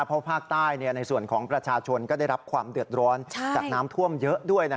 เพราะภาคใต้ในส่วนของประชาชนก็ได้รับความเดือดร้อนจากน้ำท่วมเยอะด้วย